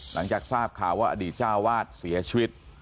หลังจากทราบข่าวว่าอดีตเจ้าวาดเสียชีวิต